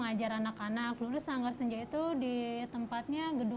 itu ada dari anak ke anak yang membeli al japang ijetat arrogance brothers bark contenido